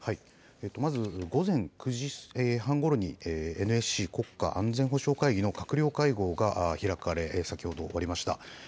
まず午前９時半ごろにＮＳＣ・国家安全保障会議の閣僚会合が開かれ、先ほど終わりました。